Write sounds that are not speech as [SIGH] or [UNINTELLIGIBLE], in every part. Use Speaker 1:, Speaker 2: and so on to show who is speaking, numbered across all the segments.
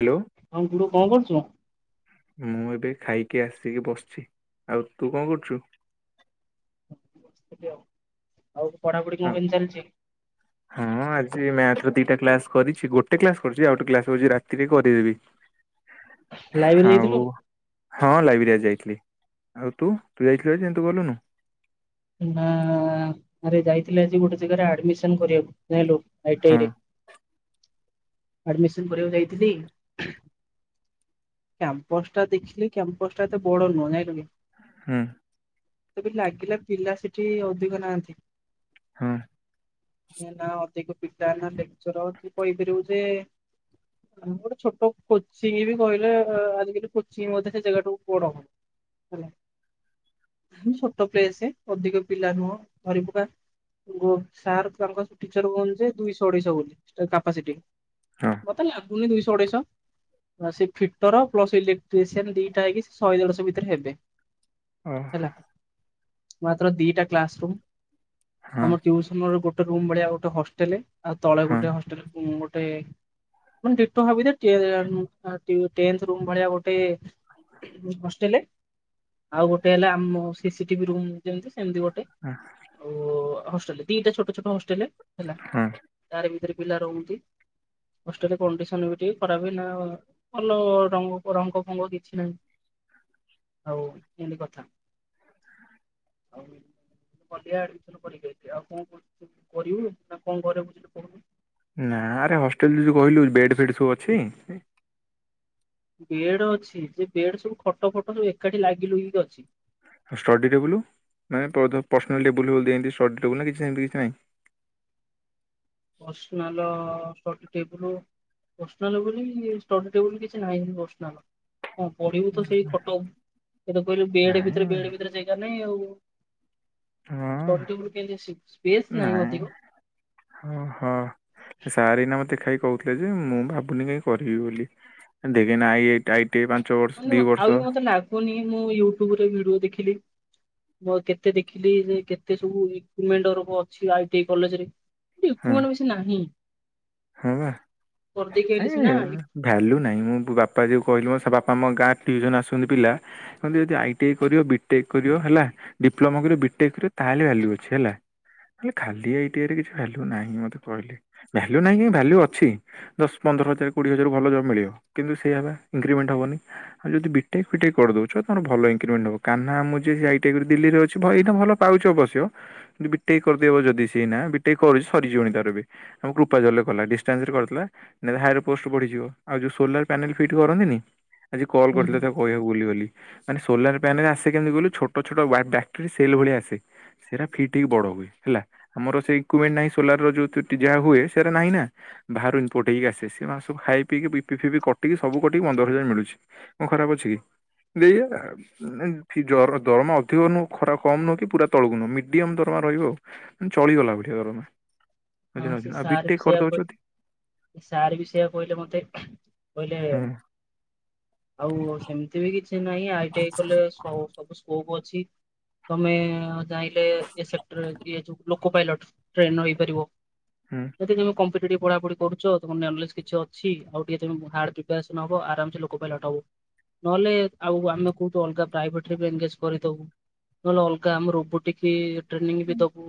Speaker 1: Hello
Speaker 2: ହଁ ଗୁଡୁ କଣ କରୁଛୁ?
Speaker 1: ଏ ଖାଇକି ଆସିକି ବସିଛି ଆଉ ତୁ କଣ କରୁଛୁ?
Speaker 2: ଆଉ ପଢାପଢି କଁ
Speaker 1: ଆଉ
Speaker 2: କେମିତି ଚାଲିଛି?
Speaker 1: ଏଇ ମ୍ୟାଥର ଦିଟା କ୍ଲାସ କରିଛି ଗୋଟେ କ୍ଲାସ କରିଛି ଆଉ ଗୋଟେ କ୍ଲାସ ରାତିରେ କରିଦେବି।
Speaker 2: ଲାଇବ୍ରେରୀ
Speaker 1: ଆଉ
Speaker 2: ଯାଇଥିଲୁ?
Speaker 1: ହଁ ଲାଇବ୍ରେରୀରେ ଯାଇଥିଲି ଆଉ ତୁ ତୁ ଯାଇଥିଲୁ ଆଜି ଆଁତୁ ଗଲୁନୁ।
Speaker 2: ନା ଆରେ ଯାଇଥିଲି ଆଜି ଗୋଟେ ଜାଗାରେ ଆଡମିସନ କରିବାକୁ। ଜାଣିଲୁ ଆଇଟିଆଇ
Speaker 1: ହଁ
Speaker 2: ରେ। ଆଡମିସନ କରିବାକୁ ଯାଇଥିଲି। କ୍ୟମ୍ପସ ଟା ଦେଖିଲି କ୍ୟମ୍ପସ ଟା ଏତେ ବଡ ନୁହଁ ଜାଇଁଲୁ କି?
Speaker 1: ହୁଁ।
Speaker 2: ମତେ ବି ଲାଗିଲା ପିଲା ସେଠି ଅଧିକ ନାହାନ୍ତି।
Speaker 1: ହଁ।
Speaker 2: ନା ଅଧିକ ପିଟା ନା ଲେକ୍ଚର ଅଛି କହିପାରିବୁ ଯେ ଉଁ ଗୋଟେ ଛୋଟ କୋଚିଂ ବି କହିଲେ ଆଜିକାଲି କୋଚିଂ ମଧ୍ୟ ସେ ଜାଗାଠୁ ବଡ ହବ। ହେଲୋ ଛୋଟ ପ୍ଲେସେ ଅଧିକ ପିଲା ନୁହଁ ଧରିପକା। ଗୋ ସାର୍ ତାଙ୍କ ଟିଚର କୁ କହନ୍ତି ଯେ ଦୁଇଶହ ଅଢେଇଶହ ବୋଲି କାପାସିଟି।
Speaker 1: ହଁ
Speaker 2: ମତେ ଲାଗୁନି ଦୁଇଶହ ଅଢ଼େଇଶ। ସେ ଫିଟର ପ୍ଲସ ଇଲେକ୍ଟ୍ରିସିଆନ ଦିଇଟା ହେଇକି ସେ ଶହେ ଦେଢଶହ ଭିତରେ ହେବେ।
Speaker 1: ଓ।
Speaker 2: ହେଲା। ମାତ୍ର ଦିଇଟା କ୍ଲାସ ରୁମ୍
Speaker 1: ହଁ
Speaker 2: ଆମ ଟିଉସନ ର ଗୋଟେ ରୁମ୍ ଭଳିଆ ଗୋଟେ ହଷ୍ଟେଲ। ଆଉ ତଳେ
Speaker 1: ହଁ
Speaker 2: ଗୋଟେ ହଷ୍ଟେଲ ଉଁ ଗୋ ଟେ ମାନେ ଡିଟୋ ଭାବିଦେ ଟେନ୍-ଟି-ଟେନ୍ଥ ରୁମ୍ ଭଳିଆ ଗୋଟେ ହଷ୍ଟେଲ ଆଉ ଗୋଟେ ହେଲା ଆମ ସିସିଟିଭି ରୁମ୍ ଯେମିତି ସେମିତି ଗୋ
Speaker 1: ଉଁ।
Speaker 2: ଓ ହଷ୍ଟେଲ ଦିଇଟା ଛୋଟଛୋଟ ହଷ୍ଟେଲେ ହେଲା
Speaker 1: ହଁ।
Speaker 2: ତାରି ଭିତରେ ପିଲା ରହୁନ୍ତି। ହଷ୍ଟେଲ କଣ୍ଡିସନ ବି ଟିକେ ଖରାପ ନା ଭଲ ରଙ୍ଗ ରଙ୍ଗ ଫଙ୍ଗ କିଛିନାହିଁ। ଆଉ ଏମତି କଥା। ଅଧିଆ ଆଡମିସନ୍ କରିଦେଇଚି ଆଉ କଁ କରିବୁ ନା କଣ ଘରେ ବୁଝିଲୁ କୋହୁନୁ?
Speaker 1: ନାରେ ହଷ୍ଟେଲ ଯୋ-ଯୋଉ କହିଲୁ ବେଡ ଫେଡ ସବୁ ଅଛି?
Speaker 2: ବେଡ୍ ଅଛି ଯେ ବେଡ୍ ସବୁ ଖଟ ଫଟ ସବୁ ଏକାଠି ଲାଗିଲୁଗି କି ଅଛି।
Speaker 1: ଷ୍ଟଡିଟେବୁଲ୍ ନା ତୋର ଯୋଉ ପର୍ସନାଲ ଟେବୁଲ୍ ଦିଅନ୍ତି ଷ୍ଟଡିଟେବୁଲ୍ ନା ସେନ୍ତି କିଛି ନାହିଁ?
Speaker 2: ପର୍ସନାଲ ଷ୍ଟଡିଟେବୁଲ୍ ପର୍ସନାଲ ବୋଲି ଷ୍ଟଡିଟେବୁଲ୍ କିଛି ନାହିଁ ପର୍ସନାଲ। ହଁ ପଢିବୁ ତ ସେଇ ଖଟ ଉ କହିଲୁ ବେଡ
Speaker 1: ନାଇଁ
Speaker 2: ଭିତରେ ବେଡ ଭିତରେ ଜେଗା ନାହିଁ ଆଉ।
Speaker 1: ହଁ
Speaker 2: ଷ୍ଟଡିଟେବୁଲ୍ କେମିତି ଆସିବ ସ୍ପେସ୍ ନାହିଁ
Speaker 1: ନାଇଁ
Speaker 2: ଅଧିକ।
Speaker 1: ଓହୋ ସାର୍ ଏଇନା ମତେ ଦେଖାହେଇକି କୋହୁଥିଲେ ଯେ ମୁଁ ଭାବୁନି କାଇଁ କରିବି ବୋଲି। ଦେଖେ ଆଇ ଆଇଟ୍ ଆଇଟ
Speaker 2: ମାନେ ଆଉ ବି ମତେ ଲାଗୁନି ମୁଁ ୟୁଟୁବରେ ଭିଡିଓ ଦେଖିଲି। ବ କେତେ ଦେଖିଲି ଯେ କେତେ ସବୁ ଇକ୍ୟୁମେଣ୍ଟର୍ ଅଛି ଆଇ ଟି ଆଇ କଲେଜରେ।
Speaker 1: ହୁଁ
Speaker 2: ଇକ୍ୟୁମାନ ବେଶୀ ନାହିଁ।
Speaker 1: ହଁ ପା
Speaker 2: କରିଦେଇକି ଆଇଲି
Speaker 1: ହେଁ
Speaker 2: ସିନା।
Speaker 1: ଭ୍ୟାଲୁ ନାହିଁ ମୁଁ ବ-ବାପା ଯୋଉ କହିଲୁ ମୋ ସେ ବାପ ଆମ ଗାଁ ଟିୟୁସନ୍ ଆସଚନ୍ତି ପିଲା ହେ ଯଦି ଆଇ ଟି ଆଇ କରିବ ବିଟେକ୍ କରିବ ହେଲା ଡିପ୍ଲୋମା କରିବ ବିଟେକ୍ କରିବ ତାହଲେ ଭ୍ୟାଲୁ ଅଛି ହେଲା। ହେଲେ ଖାଲି ଆଇ ଟି ଆଇ ରେ କିଛି ଭ୍ୟାଲୁ ନାହିଁ ମତେ କହିଲେ ଭ୍ୟା ଲ୍ୟୁ ନାହିଁ ଭ୍ୟାଲ୍ୟୁ ଅଛି ଦଶ ପନ୍ଦର ହଜାର କୋଡ଼ିଏ ହଜାର ଭଲ ଜବ୍ ମିଳବ କିନ୍ତୁ ସେୟାପା ଏଗ୍ରିମେଣ୍ଟ୍ ହବନି। ଆଉ ଯଦି ବିଟେକ୍ ଫିଟେକ୍ କରି ଦୋଉଛ ତମର ଭଲ ଇକ୍ରିମେଣ୍ଟ ନବ କାନ୍ହା ମାମୁଁ ଯିଏ ସିଏ ଆଇ ଟି ଆଇ କରି ଦିଲ୍ଲିରେ ଅଛି ଭ ଏଇଟା ଭଲ୍ ପାଉଚି ଅବଶ୍ୟ କିନ୍ତୁ ବିଟେଇ କରିଦେବ ଯଦି ସିଏ ଏଇନା ବିଟେଇ କରି ସରିଯିବଣି ତାର ଏବେ ଆମ କୂପ ପାଜଲ୍ ରେ କଲା ଡିସ୍ଟାନ୍ଟ ରେ କରୁଥିଲା ଏନା ହାୟରେ ସବପୋଷ୍ଟ ବଢିଯିବ। ଆଉ ଯୋଉ ସୋଲାର ପ୍ୟାନେଲ୍ ଫିଟ କରନ୍ତିନି ଆଜି କଲ୍
Speaker 2: ହୁଁ
Speaker 1: କରିଥିଲେ
Speaker 2: ହୁଁ।
Speaker 1: ତାକୁ ତାକୁ କହିବାକୁ ଭୁଲି ଗଲି। ମାନେ ସୋଲାର ପ୍ୟାନେଲ ଆସେ କେମତି କହିଲୁ ଛୋଟ ଛୋଟ ୱା ବ୍ୟାଟ୍ରୀ ସେଲ୍ ଭଳିଆ ଆସେ। ସେରା ଫିଟ୍ ହେଇକି ବଡ ହୁଏ ହେଲା ଆମର ଇକୁମେଣ୍ଟ ନାହିଁ ସୋଲାରର ଯୋଉ ଠୁଠୁ ଯାହା ହୁଏ ସେରା ନାହିଁ ନା ଭାରୁ ଇନପୋର୍ଟ ହେଇକି ଆସେ ସେ ସେମାନେ ସବୁ ଖାଇ ପିକି ବି ପି ଫି କଟିକି ସୁବୁ କଟିକି ପନ୍ଦର ହଜାର ମିଳୁଛି। କଁ ଖରାପ ଅଛି କି? ଦେଇଏଲା ଏଇ ଜର ଦମ ଅଧିକ ନୁହଁ ଖରା କମ ନୁହଁ କି ପୁରା ତଳକୁ ନୁହଁ ମିଡିୟମ ଦରମା ହଁ ରହିବ ଆଉ ଚଳିଗଲା ଭଳିଆ ଦରମା ବୁଝିଲ କି ଆଉ ବି
Speaker 2: ସେୟା କହି ସାର୍ ବି ସେୟା କହିଲେ ମତେ କହିଲେ
Speaker 1: ହୁଁ
Speaker 2: ଆଉ ସେମିତି ବି କିଛି ନାହିଁ ଆଇ ଟି ଆଇ କଲେ ସବ୍ ସବୁ ସ୍କୋପ ଅଛି। ତମେ ଜାଇଁଲେ ଏସେପଟରେ ଇଏ ଯୋଉ ଲୋକ ପାଇଲଟ ଟ୍ରେନ ହେଇପାରିବ।
Speaker 1: ହୁଁ।
Speaker 2: ଯଦି ତମେ କମ୍ପିଟ୍ ଟିପ ପଢାପଢି କରୁଚ ଧନ୍ୟାମ୍ ଲେସ୍ କିଛି ଅଛି ଆଉ ଟିକେ ତେଣୁ ହାଡ୍ ପ୍ରିପାସନ୍ ହବ ଆରାମ୍ସେ ଲୋକ ପାଇଲଟ ହବ। ନହେଲେ ଆଉ ଆମେ କୋଉଠୁ ଅଲଗା ପ୍ରାଇଭେଟରେ ବି ଏନଗେଜ୍ କରିଦବୁ। ନହେଲେ ଅଲଗା ଆମେ ରୋବୋଟିକି ଟ୍ରେନିଂ ବି ଦବୁ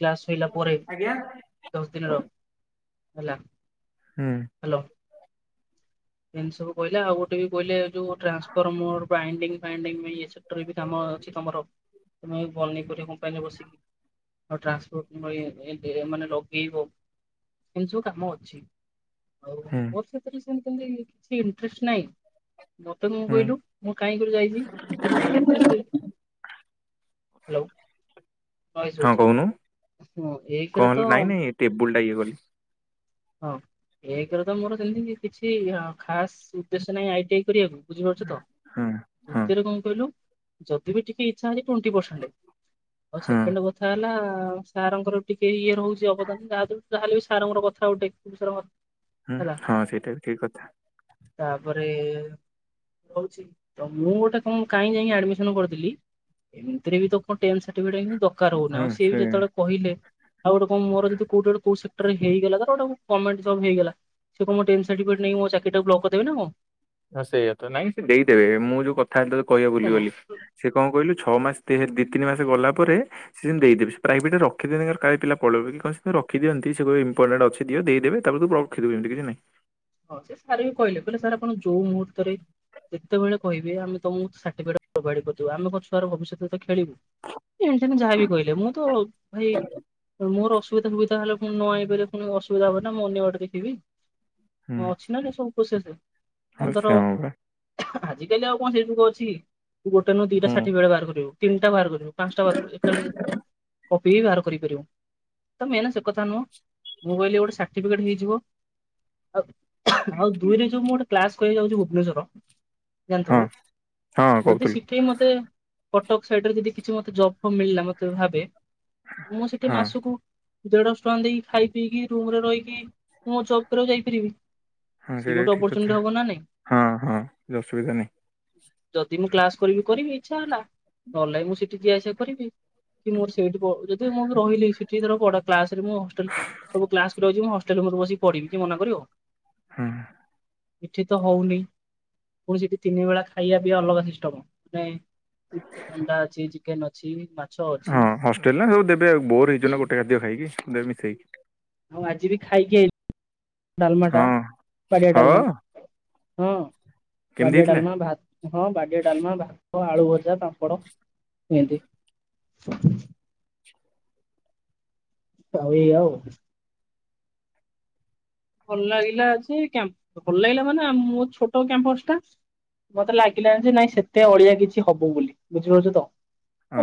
Speaker 2: କ୍ଲାସ ସଇଲା ପରେ
Speaker 1: ଆଜ୍ଞା
Speaker 2: ଦଶ ଦିନର ହେଲା।
Speaker 1: ହୁଁ
Speaker 2: ହାଲୋ। ଏମ୍ ସବୁ କହିଲେ ଆଉ ଗୋଟେ ବି କହିଲେ ଯୋଉ ଟ୍ରାନ୍ସଫର୍ମର ବ୍ରାଇଡିଂ ଫ୍ରାଇଡିଂ ଇଏ ସେଟର ଵି କାମ ଅଛି ତମର ତୁମେ ବନୈ ପାରିଵ କମ୍ପାନରେ ବସିକ କି। ଆଉ ଟ୍ରାନ୍ସପୋର୍ଟ ର ଏ ଏ ମାନେ ଲଗେଇବ ଏଇ ସଵୁ କାମ ଅଛି। ହଉ
Speaker 1: ହୁଁ
Speaker 2: ମୋର ସେଥିରେ ସେମତି କିଛି ଇଣ୍ଟଟ୍ରେଷ୍ଟ ନାହିଁ। ମତେ ମୁଁ
Speaker 1: ହୁଁ
Speaker 2: କୋଇିଲୁ ମୁଁ କାହିଁକରି ଯାଇଛି ଏକରେ ତ ସେ ହାଲୋ। ନଏସ୍
Speaker 1: ହଁ
Speaker 2: ହୋଉଛି
Speaker 1: କହୁନୁ
Speaker 2: ଉଅଁ ଏକରେ ତ
Speaker 1: ଇଏଗଲି
Speaker 2: ହଁ ଏକରେ ତ ମୋର ସେମତି କିଛି ଖାସ ଉଦ୍ଦେଶ୍ୟ ନାହିଁ ଆଇ ଟି ଆଇ କରିବାକୁ ବୁଝିପାରୁଛ ତ
Speaker 1: ହଁ। ହଁ
Speaker 2: ଦ୍ଵିତୀୟରେ କଣ କହିଲୁ ଯଦି ବି ଟିକେ ଇଛାରେ ଟୋନଟି ପରସେନ୍ଟ ଆଉ
Speaker 1: ହଁ
Speaker 2: ସେକେଣ୍ଡ କଥା ହେଲା ସାର୍ ଙ୍କର ଟିକେ ଇଏ ହଉଛି ଅବଦାନ ଯାହା ଦୁର ଯାହାହେଲେ ବି ସାର୍ ଙ୍କର କଥା ଗୁଟେ ସର
Speaker 1: ହୁଁ ହଁ ସେଇଟା ଠିକ କଥା।
Speaker 2: ତାପରେ ଏ କହୁଛି ତ ମୁଁ ଗୋଟେ କଣ କାହିଁ ଯାଇକି ଆଡମିସନ କରିଥିଲି ଏମିତିରେ ବି ତ ତୋ ଟେନ୍ ସାର୍ଟିଫିକେଟ ଏଇନି ଦକାର ହଉନି
Speaker 1: ହଁ
Speaker 2: ଆଉ ସିଏ ଵି
Speaker 1: ସେ
Speaker 2: ଯେତେବେଳେ କହିଲେ ଆଉ ଗୋଟେ କଣ୍ ମୋର ଯଦି କୋଉଠି ଗୋଟେ କୋଉଠି ସେକ୍ଟରରେ ହେଇଗଲା ତ ଏଟା କୁ ଗମେନ୍ଟ ଜଵ୍ ହେଇଗଲା ସିଏ କଣ ମୋ ଟେନ୍ ସାଟିର୍ଫିକେଟ ନେଇକି ମୋ ଚାକିରିା ଟା କୁ ଵନ୍ଦ୍ କରିଦେଵେ ନା କଣ।
Speaker 1: ହଁ ସେଇଆା ତ ନାଇଁ ସେ ଦେଇଦେବେ ମୁଁ ଯୋଉ କଥା ତତେ କହିବାକୁ ଭୁଲି ଗଲେ
Speaker 2: କଣ।
Speaker 1: ସେ କଣ କହିଲୁ ଛଅ ମାସ ଦି ତିନି ମାସ ଗଲା ପରେ ସେ ସେମିତି ଦେଇଦେବେ ସେ ପ୍ରାଇଭେଟରେ ରଖିଅନ୍ତି କାଳେ ପିଲ ପଳେଇବେ କି କଣ ସେ ରଖିଅନ୍ତି। ଇମ୍ପଟାଣ୍ଟ ଅଛିି ଦିଅ ଦେଇଦେବେ ତାପରେୁମି କି ନାହିଁ।
Speaker 2: ହଁ ସେ ସାର୍ ବି କହିଲେ କହିଲେ ସାର୍ ଆପଣ ଯୋଉ ମୁହୂର୍ତ୍ତରେ ଯେତେବେଳେ କହିବି ଆମ ତମକୁ କରିଦିବ ଆମ ମୋ ଛଆର ଭବିଷ୍ୟତରେ ତ ଖେଳିବୁ। ଏ ଯାହାବି କହିଲେ ମୁଁ ତ ଭାଇ ମୋର ଅସୁବିଧାବ ହେଲେ ପୁଣି ନ ଆଇପାରିଲ ପୁଣି ଅସୁବିଧା ହବ ନା ମୁଁ ଅନ୍ୟ ବାଟ ଦେଖିବି ମୁଁ ଅଛି ନା ସବୁ କସେ ସେ
Speaker 1: ହ ସେ ହ ବା
Speaker 2: ଆଜି କାଲି ଆଉ କଣ ସେଇ ଯୁଗ ଅଛି। ୁ ଗୋଟେ ନୁ ଦିଟା
Speaker 1: ହୁଁ।
Speaker 2: ସାଟିଫିକେଟ ବେଳେ ବାହାର କରିବ ତିନିଟା ବାହାର କରିବ ପାଞ୍ଚଟା ବାହାର କରିବା। କପି ବି ବାହାର କରିପାରିବ ତ ମେନ ସେ କଥା ନୁହଁ ମୋ କହିଲେ ଗୋଟେ ସାର୍ଟିଫିକେଟ୍ ହେଇଯିବ। ଆଉ ଆଉ ଦୁଇରେ ଯୋଉ ମୁଁ ଗୋଟେ କ୍ଲାସ କରିବାକୁ ଯାଉଛି ଭୁବନେଶ୍ଵର ଜାଣିଥିବୁ
Speaker 1: ହଁ ହଁ
Speaker 2: ଯଦି
Speaker 1: କହୁଥିଲୁ
Speaker 2: ସେଠେଇ ମତେ କଟକ ସାଇଡରେ ଯଦି କିଛି ମତେ ଜବ ଫବ ମିଳିଲା ମତେ ଭାବେ ମୁଁ ସେଠି
Speaker 1: ହଁ
Speaker 2: ମାସକୁ ଦେଢଶହ ଟଙ୍କା ଦେଇକି ଖାଇ ପିଇକି ରୁମ ରେ ରହିକି ମୁଁ ମୋ ଜବ କରିବାକୁ ଯାଇପାରିବି।
Speaker 1: ହଁ
Speaker 2: ସିଏ
Speaker 1: ସେଟା
Speaker 2: ଗୋଟେ
Speaker 1: ଠିକ
Speaker 2: ଅପରଚୁନିଟି
Speaker 1: କଥା
Speaker 2: ହବ ନା ନାଇଁ
Speaker 1: ହଁ ହଁ ଅସୁବିଧା ନାହିଁ।
Speaker 2: ଯଦି ମୁଁ କ୍ଲାସ କରିବି କରିବି ଇଚ୍ଛା ହେଲା ନହେଲେ ମୁଁ ସେଠି ଯିଆ ଆସିବା କରିବି। କି ମୋର ସେଇଠି ଯଦି ମୁଁ ରହିଲି ସେଠି ପଢା କ୍ଲାସରେ ମୁଁ ହଷ୍ଟେ ସବୁ କ୍ଲାସଛିଁ ହଷ୍ଟେଲରେ ମତେ ବିକି ପଢିବି ମନା କରିବ।
Speaker 1: ହଁ।
Speaker 2: ଏଠି ତ ହଉନି ପୁଣି ସେଠି ତିନି ବେଳା ଖାଇବା ପିଇବା ଅଲଗା ସିଷ୍ଟମ ମାନେ ଅଣ୍ଡା ଅଛି ଚିକେନ ଅଛି ମା
Speaker 1: ହଁ ହଷ୍ଟେଲ ନା ସବୁ ଦେବେଉ ବୋର ହେଇଯ ନା ଗୋଟେ ଖାଦ୍ୟ ଖାଇକି ମିଶେଇକି
Speaker 2: ଆଉ ଆଜି ବି ଖାଇକି ଆଇ ଡାଲମା
Speaker 1: ହଁ
Speaker 2: ବାଡିଆ ଡାଲମା
Speaker 1: ହଁ
Speaker 2: ହଁ
Speaker 1: କେମିତି
Speaker 2: ବାଡ଼ିଆ
Speaker 1: ହେଇଥିଲା
Speaker 2: ଡାମା ଭାତ ହଁ ବାଡ଼ିଆଡଲମା ଭାତ ଆଳୁ ଭଜା ପାମ୍ପଡ଼ କେମତି ହଉ ଏଇ ଆଉ। ଭଲ ଲାଗିଲା ଭଲ ଲାଗିଲା ମାନେ ମୋ ଛୋଟ କ୍ୟାମ୍ପସ ଟା ମତେ ଲାଗିଲାନି ଯେ ନାଇଁ ସେତେ ଅଳିଆ କିଛି ହବ ବୋଲି ବୁଝିପାରୁଛୁ ତ।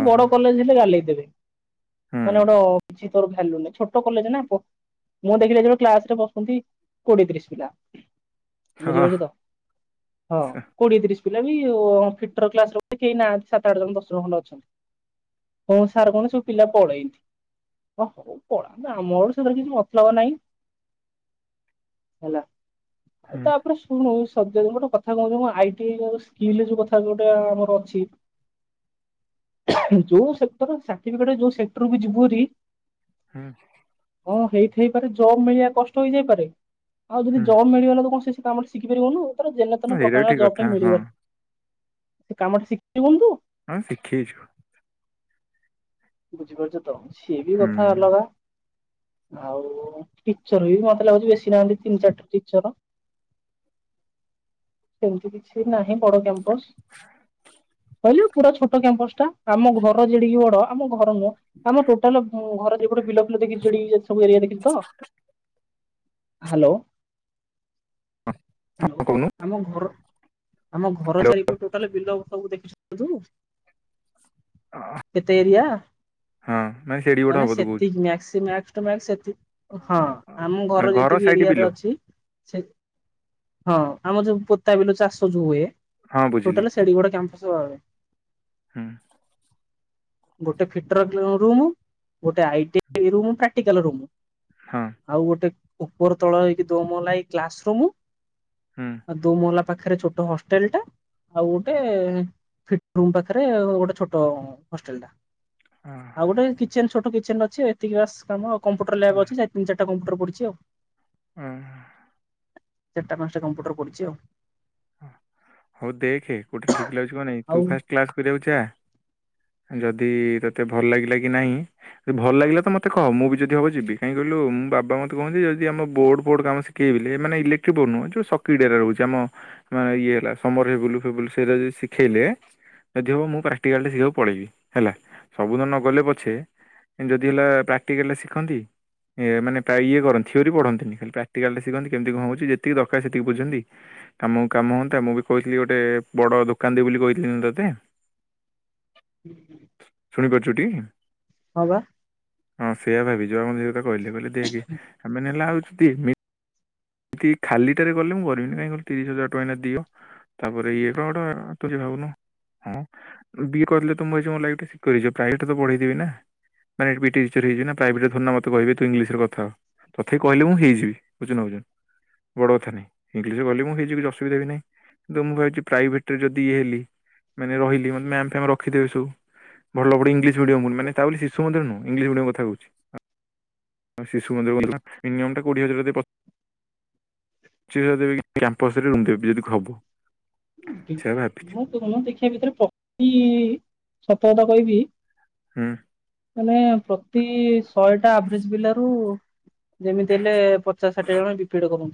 Speaker 2: ଆ ବଡ କଲେଜ ହେଲେ ଗାଲେଇ ଦେବେ।
Speaker 1: ହୁଁ
Speaker 2: ମାନେ ଗୋଟେ ଅଛି ତୋର ଭାଲୁ ନାହିଁ ଛୋଟ କଲେଜ ନା। ମୁଁ ଦେଖିଲି ହେତିବେଳୁ କ୍ଲାସରେ କୋଡିଏତିରିଶ ପିଲା
Speaker 1: ହଁ
Speaker 2: ବୁଝିପାରୁଚୁ ତ ହଁ
Speaker 1: ସ-
Speaker 2: କୋଡିଏତିରିଶ ପି ହେଲେ ବି ଫିଟ୍ ର କ୍ଲାସରୁମ୍ ରେ କେହି ନାହାନ୍ତି ସାତ ଆଠ ଜଣ ଦଶ ଜଣ ଖଣ୍ଡେ ଅଛନ୍ତି। ହଁ ସାର୍ କଣ ସବୁ ପିଲା ପଳେଇନ୍ତି। ହ ହୋଉ ପଳାନ୍ତୁ ଆ ମୋର ସେଥିରେ କିଛି ମତଲବ ନାହିଁ। ହେଲା ଆଉ
Speaker 1: ହୁଁ
Speaker 2: ତାପରେ ଶୁଣୁ ତତେ ମୁଁ ଗୋଟେ କଥା କୋହୁଚି ଆଇ ଟି ଆଇ ଯୋଉ ସ୍କିଲରେ ଯୋଉ କଥା କହିବାଟା ଆମର ଅଛି। ଯୋଉ ସେକ୍ଟର ସାର୍ଟିଫିକେଟ ଯୋଉ ସେକ୍ଟରକୁ ଯିବୁହାରି
Speaker 1: ହୁଁ
Speaker 2: ହଁ ହେଇଥାଇପାରେ ଜବ ମିଳିବା କଷ୍ଟ ହୋଇଯାଇପାରେ ଆଉ ଯଦି
Speaker 1: ହୁଁ।
Speaker 2: ଜବ୍ ମିଳିଗଲା ତ କଣ ସେ କାମ ଶିଖିପାରିବନୁ ତାର ଯେନ
Speaker 1: ହଁ,
Speaker 2: ତେନ
Speaker 1: ସେଇଟା ବି
Speaker 2: ପ୍ରକାରର
Speaker 1: ଠିକ
Speaker 2: ଜବ୍
Speaker 1: କଥା
Speaker 2: ଟା
Speaker 1: ହଁ
Speaker 2: ମିଳିଗଲା ସେ କାମଟା ଶିଖିବୁନି ତୁ?
Speaker 1: ଆଁ ଶିଖିଛୁ।
Speaker 2: ବୁଝିପାରୁଛ ତ ସିଏ ବି
Speaker 1: ହୁଁ
Speaker 2: କଥା ଅଲଗା। ଆଉ ଟିଚର ବି ବି ମତେ ଲାଗୁଛି ବେଶୀ ନାହାନ୍ତି ତିନି ଚାରିଟା ଟିଚର। ସେମିତି କିଛି ନାହିଁ ବଡ କ୍ୟାମ୍ପ [UNINTELLIGIBLE] କହିଲ ପୁରା ଛୋଟ କ୍ୟାମ୍ପସ ଟା ଆମ ଘର ଯେଡିକି ବଡ ଆମ ଘର ନୁହଁ ଆମର ଟୋଟାଲ ଘର [UNINTELLIGIBLE] ଗୋଟେ ବିଲ ବିଲ ଦେଖି ସବୁ ଏରିଆ ଦେଖିଲି ତ? ହ୍ୟାଲୋ
Speaker 1: ହଁ
Speaker 2: [UNINTELLIGIBLE]
Speaker 1: କହୁନୁ
Speaker 2: ଆମ ଘର ଆମ ଘର
Speaker 1: ହ୍ୟାଲୋ
Speaker 2: ଚାରିପଟେ ଟୋଟାଲ ବିଲ ସବୁ ଦେଖିଛ ତୁ?
Speaker 1: ଅଃ
Speaker 2: ତେରିଆ
Speaker 1: ହୁଁ ହ
Speaker 2: ମାନେ ସେତିକି, ମାକ୍ସ ଟୁ ମାସ୍କ ସେତି ହଁ ଆମ
Speaker 1: ମାନେ
Speaker 2: ଘର ଯେତିକି
Speaker 1: ସାଇଡ ବିଲ
Speaker 2: ଏରିଆରେ ଅଛି। ସେ ହଁ। ଆମ ଯୋଉ ପୋତା ବିଲଚାଷ ଯୋଉ ହୁଏ
Speaker 1: ହଁ ବୁଝିଲି
Speaker 2: ଟୋଟାଲା ସେଡିକିବଡ କମ୍ପାସ ଭାବେ
Speaker 1: ହୁଁ।
Speaker 2: ଗୋଟେ ଫିଟର ଙ୍କରୁମ୍, ଗୋଟେ I T I room practical room.
Speaker 1: ହଁ
Speaker 2: ଆଉ ଗୋଟେ ଉପର ତଳ ହେଇକି ଦୋମହଲା ହେଇ କ୍ଲାସ ରୁମ
Speaker 1: ହୁଁ।
Speaker 2: ଆ ଦୋମହଲା ପାଖରେ ଛୋଟ ହଷ୍ଟେଲ ଟା ଆଉ ଗୋଟେ ଫିଟରୁମ୍ ପାଖରେ ଗୋଟେ ଛୋଟ ହୋଷ୍ଟେଲ ଟା
Speaker 1: ହଁ,
Speaker 2: ଆଉ ଗୋଟେ କିଚେନ ଛୋଟ କିଚେନ ଅଛି ଏତିକି ବାସ କାମ କମ୍ପୁଟର ଲ୍ୟାବ୍ ଅଛି ସେ ତିନି ଚାରଟା କମ୍ପୁଟର ପଢିଛି ଆଉ।
Speaker 1: ହୁଁ।
Speaker 2: ଚାରିଟା ପାଞ୍ଚଟା କମ୍ପ୍ୟୁଟର ପଡ଼ିଛି ଆଉ।
Speaker 1: ହଉ ଦେଖେ କଉଟା ଠିକ ଲାଗୁଛି ମାନେ ତୁ
Speaker 2: ଆଉ
Speaker 1: ଫାଷ୍ଟ କ୍ଲାସ କୁ ଯାଉଛେ? ଯଦି ତୋତେ ଭଲ ଲାଗିଲା କି ନାହିଁ ଭଲ ଲାଗିଲା ତ ମତେ କହ ମୁଁ ବି ଯଦି ହବ ଯିବି କାହିଁ କହିଲୁ? ବାବା ମତେ କହନ୍ତି ଯଦି ଆମ ବୋର୍ଡ ଫୋଡ କାମ ଶିଖେଇଲେ, ମାନେ ଇଲେକ୍ଟ୍ରୀ ବୋର୍ଡ ନୁହଁ ଯୋଉ ସର୍କିଟ ହେରା ରହୁଛି ଆମ ଇଏ ହେଲା ସମର ଲେବୁଲୁ ଫେବୁଲ ସେଇରା ଯଦି ଶିଖେଇଲେ। ଯଦି ହବ ମୁଁ ପ୍ରାକ୍ଟିକାଲା ଶିଖିବାକୁ ପଳେଇବି ହେଲା ସବୁଦିନ ନ ଗଲେ ପଛେ ଯଦି ହେଲା ପ୍ରାକ୍ଟିକାଲ ଶିଖନ୍ତି। ଏ ମାନେ ପ୍ରଏ ଇଏ କରନ୍ତି ଥିଓରି ପଢ଼ନ୍ତିନି ଖାଲି ପ୍ରାକ୍ଟିକାଲ ଶିଖନ୍ତି କେମିତି କଣ ହଉଛି ଯେତିକ ଦରକାର ସେତିକି ବୁଝନ୍ତି କାମକୁ କାମ ହୁଅନ୍ତା ମୁଁ ବି କହିଥିଲି ଗୋଟେ ବଡ ଦୋକାନ ଦେବିବୋଲି କହିଥିଲି ନା ତୋତେ। ଶୁଣୀ ପାରୁଛୁଟି?
Speaker 2: ହଁ ବା।
Speaker 1: ସେଇଆ ଭାବିଛୁ ଆମେ ତତେ କହିଲୁ କହିଲି ଦେଖେ ସେମାନେ ହେଲେ ଆଉ ଚତିକି [UNINTELLIGIBLE] ଏମିତି ଖାଲିଟାରେ କଲେ ମୁଁ କରିବିନି କାଇ କହିଲା ତିରିଶି ହଜାର ଟଙ୍କା ଏଇନା ଦିଅ। ତାପରେ ଇଏ କଣ ଟୋକା ଷ୍ଟୋରୀ ଭାବୁନୁ ହଁ ବିଏ କଲେ ତମ ଲାଇଫ ପୁରା ସିକ୍ୟୋର ହେଇଯିବ, ପ୍ରାଇଭେଟ ରେ ତ ପଢେଇଥିବି ନା। ମାନେ ଏବେ ଟିଚର ହେଇଚିନା, ପ୍ରାଇଭେଟରେ ଧର ମତେ ଏଇନା କହିବେ ତୁ ଇଂଲିଶରେ କଥା ହ। ତଥାପି କହିଲେ ମୁଁ ହେଇଯିବି, ବୁଝୁ ନ। ବଡ କଥା ନାଇଁ ଇଂଲିଶ ଗଲି ମୁଁ ହେଇଯିବି, ଅସୁବିଧା ବି ନାହିଁ। ତ ମୁଁ ଭାବଛିି ପ୍ରାଇଭେଟ ରେ ଯଦି ଇଏ ହେଲି ମାନେ ରହିଲି, ମାନେ ମ୍ୟାମ ଫ୍ୟମ ରଖିଦବେ ସବୁ। ଭଲ ବଡ ଇଂଲିଶ ମିଡିୟମ, ତା ମାନେ ଶିଶୁ ମନ୍ଦିର ନୁହେଁ ଇଂଲିଶ ମିଡିୟମ କଥା କହୁଛି। ଶିଶୁ ମନ୍ଦିର [UNINTELLIGIBLE] ମିନିମମ ଟା କୋଡିଏ ହଜାର ଦେଇ ପ। ଚିଶ ଦେବେ କି, କ୍ୟାମ୍ପସରେ ରୁମ୍ ଦେବେ ଯଦି ହବ।
Speaker 2: ତି
Speaker 1: ସେଇଆ ଭାବିଛି
Speaker 2: [INAUDIBLE] ଦେଖିବା ଭିତରେ ପ୍ରତି ସତକତା କହିବି।
Speaker 1: ହୁଁ।
Speaker 2: ମ୍ୟାମ୍ ପ୍ରତି ଶହେଟା ଆଭରେଜ୍ ପିଲାରୁ। ଯେମିତି ହେଲେ ପଚାଶ ଷାଠିଏ ଜଣ ବିପିଡ କ।